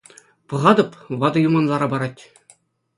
Пӑхатӑп — ватӑ юман лара парать.